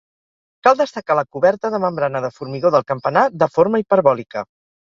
Cal destacar la coberta de membrana de formigó del campanar, de forma hiperbòlica.